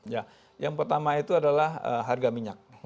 ya yang pertama itu adalah harga minyak